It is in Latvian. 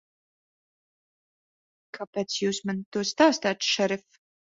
Kāpēc Jūs man to stāstāt, šerif?